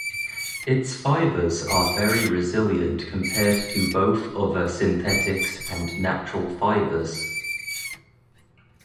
Its fibers are very resilient compared to both other synthetics and natural fibers.